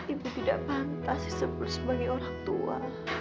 ibu tidak pantas disepuluh sebagai orang tua